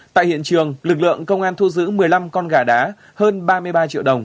tại hiện trường lực lượng công an thu giữ một mươi năm con gà đá hơn ba mươi ba triệu đồng